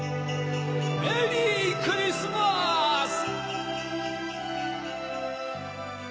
メリークリスマス！